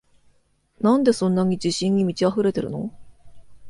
なんでそんなに自信に満ちあふれてるの？